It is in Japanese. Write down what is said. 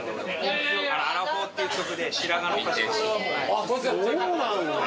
あっそうなのね。